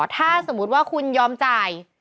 ถ้าสมมุติว่าคุณยอมจ่าย